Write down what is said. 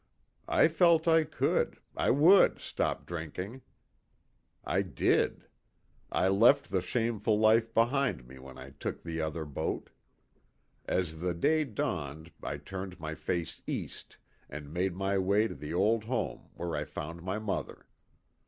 " I felt I could, I would stop drinking. " I did. I left the shameful life behind me when I took the other boat. As the day dawned I turned my face East, and made my way to the old home, where I found my mother.